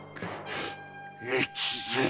越前！